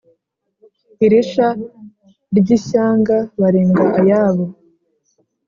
Iri sha ry ' ishyanga barenga ayabo,